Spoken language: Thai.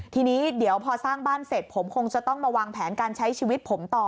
ทีนี้เดี๋ยวพอสร้างบ้านเสร็จผมคงจะต้องมาวางแผนการใช้ชีวิตผมต่อ